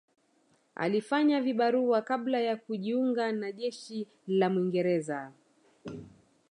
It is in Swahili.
Alifanya vibarua kabla ya kujiunga na jeshi la Mwingereza